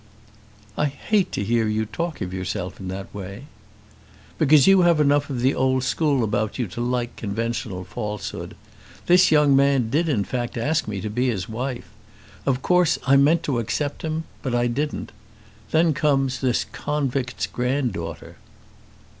"I hate to hear you talk of yourself in that way." "Because you have enough of the old school about you to like conventional falsehood. This young man did in fact ask me to be his wife. Of course I meant to accept him, but I didn't. Then comes this convict's granddaughter."